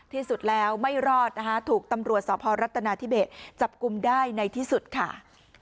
ที่สุดแล้วไม่รอดนะคะถูกตำรวจสพรัฐนาธิเบสจับกลุ่มได้ในที่สุดค่ะ